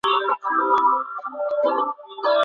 একটা মেয়ে এসে তাকে নিয়ে গেল আর তোমরা কেউ থামাতে পারলে না।